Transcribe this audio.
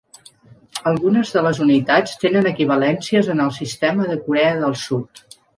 Algunes de les unitats tenen equivalències en el sistema de Corea del Sud.